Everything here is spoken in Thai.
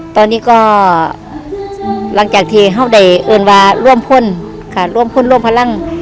ตอนนี้ก็หลังจากที่เขาได้เอิญว่าร่วมพ่นค่ะร่วมพ่นร่วมพลัง